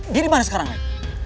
dia dimana sekarang lex